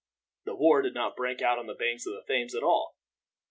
The war did not break out on the banks of the Thames at all.